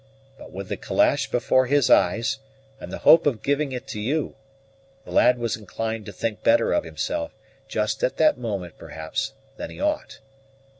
But with the calash before his eyes, and the hope of giving it to you, the lad was inclined to think better of himself, just at that moment, perhaps, than he ought.